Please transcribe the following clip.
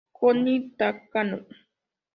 Koji Takano